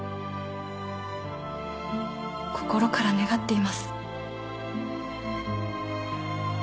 心から願っています。